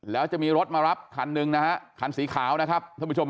แล้วจะมีรถมารับคันหนึ่งนะฮะคันสีขาวนะครับท่านผู้ชม